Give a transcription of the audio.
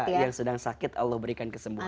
kita yang sedang sakit allah berikan kesembuhan